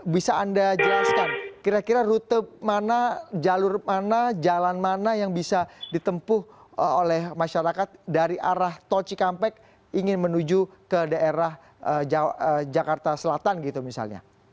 bisa anda jelaskan kira kira rute mana jalur mana jalan mana yang bisa ditempuh oleh masyarakat dari arah tol cikampek ingin menuju ke daerah jakarta selatan gitu misalnya